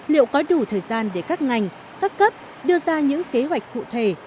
liệu có đủ thời gian để các ngành các cấp đưa ra những kế hoạch cụ thể